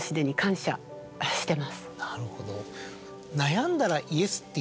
なるほど。